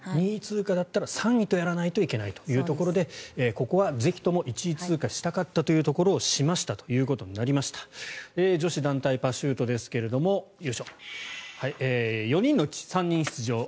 ２位通過だったら３位とやらないといけないということでここはぜひとも１位で通過したかったというところをしましたということになりました女子団体パシュートですが４人のうち３人出場。